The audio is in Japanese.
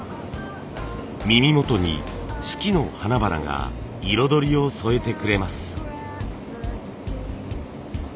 耳元に四季の花々が彩りを添えてくれます。